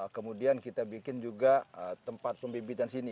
kemudian kita bikin juga tempat pembibitan sini